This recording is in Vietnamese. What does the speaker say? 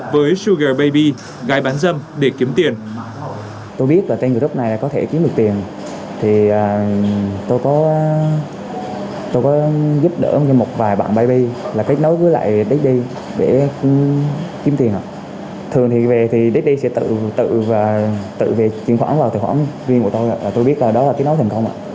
với sugar baby gái bán dâm để kiếm tiền